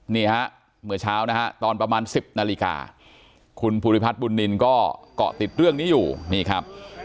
นี่ฮะเมื่อเช้านะฮะตอนประมาณ๑๐นาฬิกาคุณภูริพัฒน์บุญนินก็เกาะติดเรื่องนี้อยู่นี่ครับ